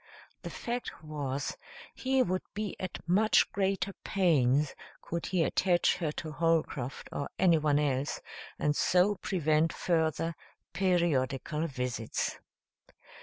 The fact was, he would be at much greater pains could he attach her to Holcroft or anyone else and so prevent further periodical visits.